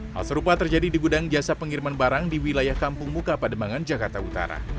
hal serupa terjadi di gudang jasa pengiriman barang di wilayah kampung muka pademangan jakarta utara